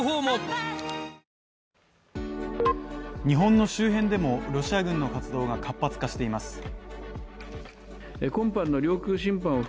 日本の周辺でもロシア軍の活動が活発化しています。